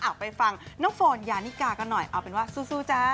ไปฟังน้องโฟนยานิกากันหน่อยเอาเป็นว่าสู้จ้า